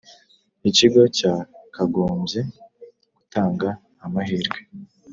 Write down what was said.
ikigo cya kagomby gutanga amahirwe